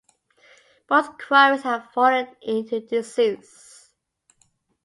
Both quarries have fallen into disuse.